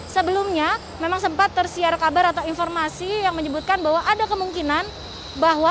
sebelumnya memang sempat tersiar kabar atau informasi yang menyebutkan bahwa ada kemungkinan bahwa